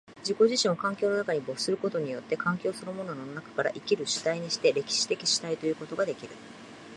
自己自身を環境の中に没することによって、環境そのものの中から生きる主体にして、歴史的主体ということができる。